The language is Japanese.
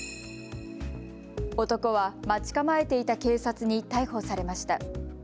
男は待ち構えていた警察に逮捕されました。